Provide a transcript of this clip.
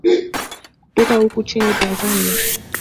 kutoka huko nchini tanzania